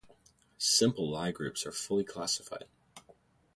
Simple Lie groups are fully classified.